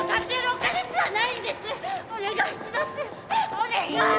お願い！